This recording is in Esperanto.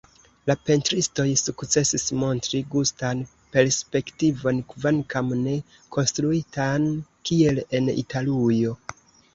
La pentristoj sukcesis montri ĝustan perspektivon, kvankam ne konstruitan kiel en Italujo.